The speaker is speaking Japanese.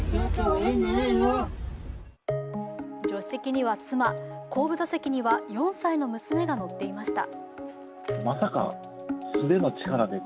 助手席には妻、後部座席には４歳の娘が乗っていました。